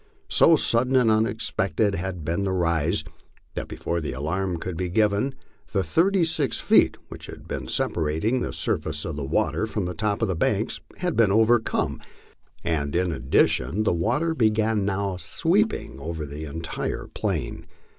So sudden and unexpected had been the rise, that before the alarm could be given the thirty six feet which had separated the surface of the water from the top of the banks had been overcome, and in addition the water began now sweeping over the entire plain.